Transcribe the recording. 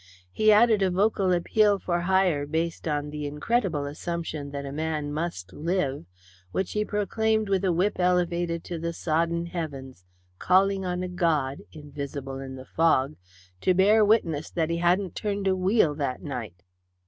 He added a vocal appeal for hire based on the incredible assumption that a man must live, which he proclaimed with a whip elevated to the sodden heavens, calling on a God, invisible in the fog, to bear witness that he hadn't turned a wheel that night.